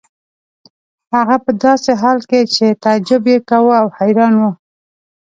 هغه په داسې حال کې چې تعجب یې کاوه او حیران و.